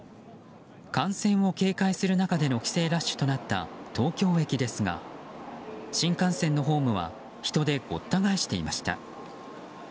感染を警戒する中での帰省ラッシュとなった東京駅ですが、新幹線のホームは人でごった返していました。